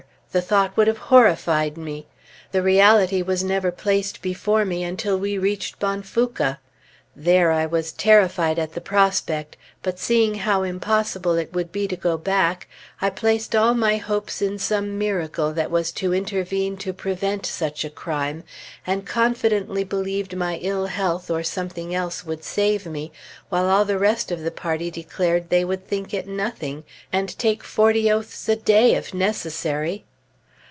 The thought would have horrified me. The reality was never placed before me until we reached Bonfouca. There I was terrified at the prospect; but seeing how impossible it would be to go back, I placed all my hopes in some miracle that was to intervene to prevent such a crime, and confidently believed my ill health or something else would save me, while all the rest of the party declared they would think it nothing, and take forty oaths a day, if necessary.